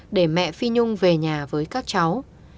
để mẹ phi nhung về nhà với các cháu